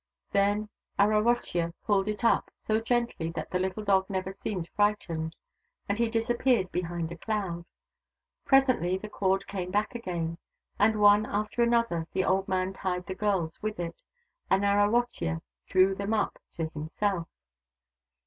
Then Arawotya pulled it up, so gently that the little dog never seemed frightened, and he disappeared behind a cloud. Presently the cord came back again, and one after another the old man tied the girls with it, and Arawotya drew them up to himself.